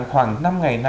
khoảng năm nay